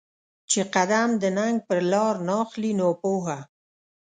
چې قـــــدم د ننــــــــګ په لار ناخلې ناپوهه